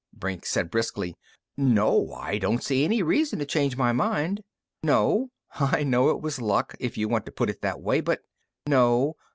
Brink said briskly: "No, I don't see any reason to change my mind.... No.... I know it was luck, if you want to put it that way, but.... No.